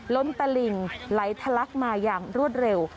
ตะหลิ่งไหลทะลักมาอย่างรวดเร็ว